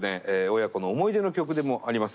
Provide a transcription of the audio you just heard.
親子の思い出の曲でもあります